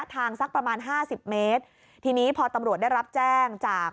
ทางสักประมาณ๕๐เมตรทีนี้พอตำรวจได้รับแจ้งจาก